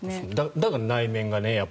だから内面がね。